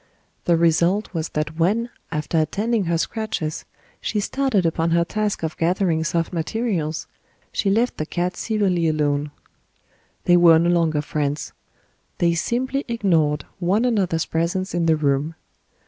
The result was that when, after attending her scratches, she started upon her task of gathering soft materials, she left the cat severely alone. They were no longer friends; they simply ignored one another's presence in the room.